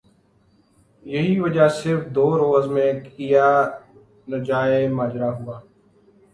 یہی وجہ صرف دو روز میں کیا نجانے ماجرہ ہوا